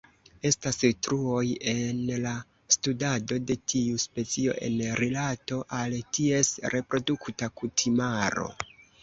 Estas truoj en la studado de tiu specio en rilato al ties reprodukta kutimaro.